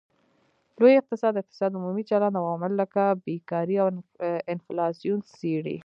لوی اقتصاد د اقتصاد عمومي چلند او عوامل لکه بیکاري او انفلاسیون څیړي